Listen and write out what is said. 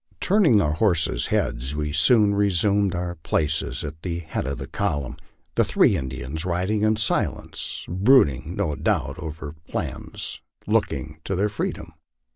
Turning our horses' heads, we soon resumed our places at the head of the column, the three Indians riding in silence, brooding, no doubt, over plans looking to their freedom.